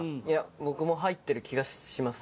僕も入ってる気がします。